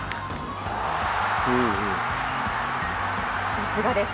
さすがです。